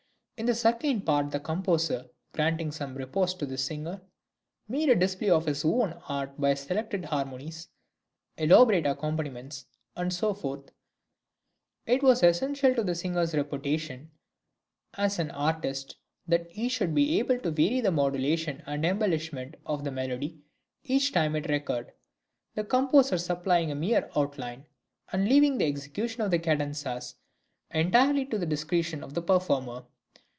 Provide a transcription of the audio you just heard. In the second part the composer, granting some repose to the singer, made a display of his own art by selected harmonies, elaborate accompaniments, and so forth. It was {THE ARIA.} (163) essential to the singer's reputation as an artist that he should be able to vary the modulation and embellishment of the melody each time it recurred, the composer supplying a mere outline, and leaving the execution of the cadenzas entirely to the discretion of the performer.